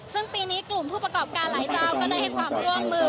ซึ่งปีนี้กลุ่มผู้ประกอบการหลายเจ้าก็ได้ให้ความร่วมมือ